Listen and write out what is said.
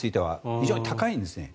非常に高いんですね。